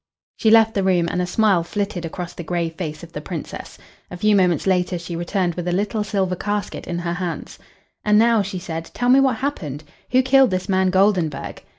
She left the room, and a smile flitted across the grave face of the Princess. A few moments later she returned with a little silver casket in her hands. "And now," she said, "tell me what happened. Who killed this man Goldenburg?"